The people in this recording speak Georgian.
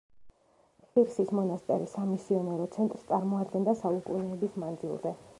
ხირსის მონასტერი სამისიონერო ცენტრს წარმოადგენდა საუკუნეების მანძილზე.